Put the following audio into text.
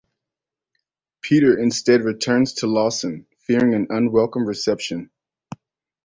Peter instead returns to Lawson fearing an unwelcome reception.